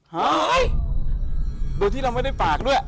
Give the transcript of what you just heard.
เฮ้ยโดยที่เราไม่ได้ฝากด้วย